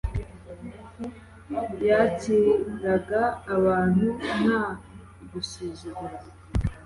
yakiraga abantu nta gusuzugura,